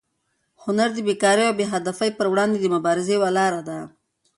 هنر د بېکارۍ او بې هدفۍ پر وړاندې د مبارزې یوه لاره ده.